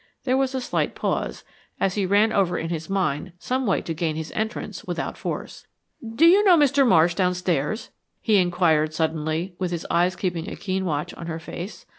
There was a slight pause, as he ran over in his mind some way to gain his entrance without force. "Do you know Mr. Marsh downstairs?" he inquired, suddenly, his eyes keeping a keen watch on her face.